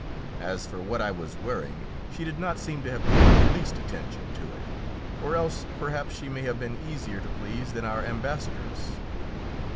As for what I was wearing, she did not seem to have paid the least attention to it. Or else perhaps she may have been easier to please than our Ambassadress.